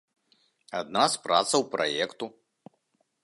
Адна з працаў праекту.